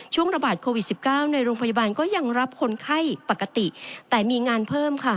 ระบาดโควิด๑๙ในโรงพยาบาลก็ยังรับคนไข้ปกติแต่มีงานเพิ่มค่ะ